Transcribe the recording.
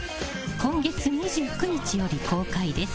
今月２９日より公開です。